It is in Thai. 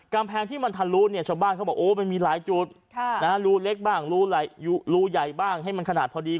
กำแพงที่มันทะลุเนี่ยชาวบ้านเขาบอกโอ้มันมีหลายจุดรูเล็กบ้างรูใหญ่บ้างให้มันขนาดพอดี